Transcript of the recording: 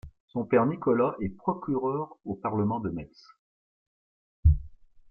Son père Nicolas est procureur au Parlement de Metz.